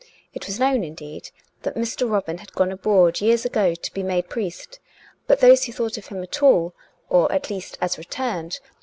It was known, indeed, that Mr. Robin had gone abroad years ago to be made priest; but those who thought of him at all, or, at least as returned, 861 362 COME RACK! COME ROPE!